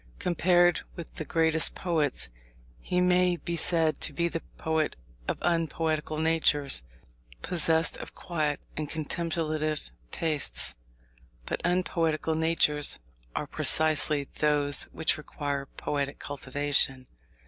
Compared with the greatest poets, he may be said to be the poet of unpoetical natures, possessed of quiet and contemplative tastes. But unpoetical natures are precisely those which require poetic cultivation.